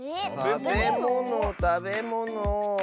たべものたべもの。